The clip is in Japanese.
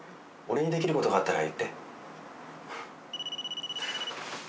俺にできることがあったら言って。